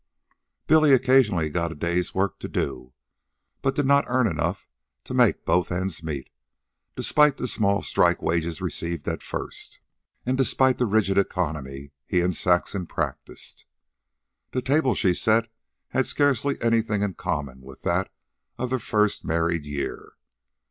Billy occasionally got a day's work to do, but did not earn enough to make both ends meet, despite the small strike wages received at first, and despite the rigid economy he and Saxon practiced. The table she set had scarcely anything in common with that of their first married year.